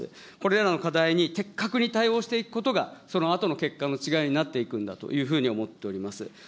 これらの課題に的確に対応していくことが、そのあとの結果の違いになっていくんだというふうに思っております。